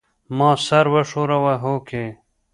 ما سر وښوراوه هوکې.